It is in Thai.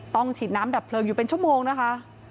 ฉีดน้ำดับเพลิงอยู่เป็นชั่วโมงนะคะ